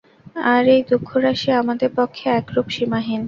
আর এই দুঃখরাশি আমাদের পক্ষে একরূপ সীমাহীন।